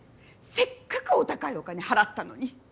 せっかくお高いお金払ったのに。